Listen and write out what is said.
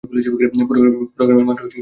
পুরো গ্রামে মাত্র পাঁচটা ঘর।